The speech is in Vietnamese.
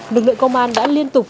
lực lượng công an đã liên tục